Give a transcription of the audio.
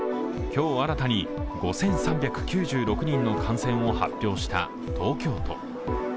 今日新たに５３９６人の感染を発表した東京都。